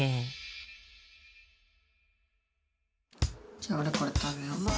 じゃあおれこれ食べよう。